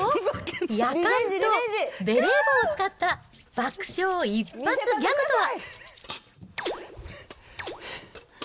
やかんとベレー帽を使った爆笑一発ギャグとは。